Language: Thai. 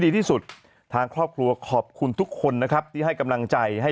ดีที่สุดทางครอบครัวขอบคุณทุกคนนะครับที่ให้กำลังใจให้